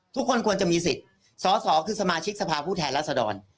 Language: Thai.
ทุกคนควรจะมีสิทธิ์สอสอคือสมาชิกสภาพผู้แทนรัศดร